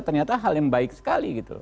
ternyata hal yang baik sekali gitu